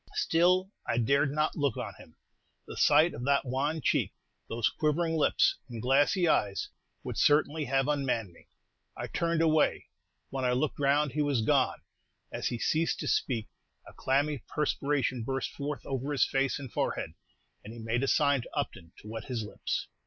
Still, I dared not look on him. The sight of that wan cheek, those quivering lips and glassy eyes, would certainly have unmanned me. I turned away. When I looked round, he was gone!' As he ceased to speak, a clammy perspiration burst forth over his face and forehead, and he made a sign to Upton to wet his lips.